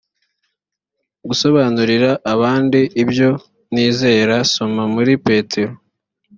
gusobanurira abandi ibyo nizera soma muri petero